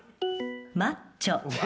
マッチョ。